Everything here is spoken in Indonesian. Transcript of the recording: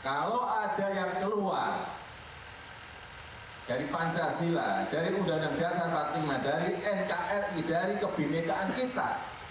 kalau ada yang keluar dari pancasila dari uud seribu sembilan ratus empat puluh lima dari nkri dari kebenetaan kita